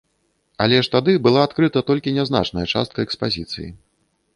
Але ж тады была адкрыта толькі нязначная частка экспазіцыі.